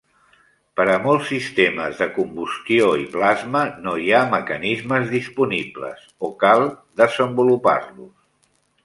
Per a molts sistemes de combustió i plasma, no hi ha mecanismes disponibles o cal desenvolupar-los.